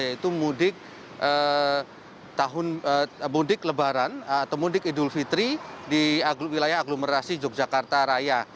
yaitu mudik lebaran atau mudik idul fitri di wilayah aglomerasi yogyakarta raya